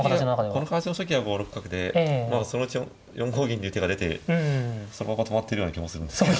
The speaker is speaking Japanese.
この形の初期は５六角でそのうち４五銀っていう手が出てそのまま止まってるような気もするんですけど。